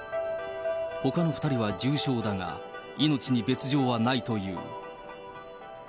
ほかの２人は重傷だが、命に別状はないという。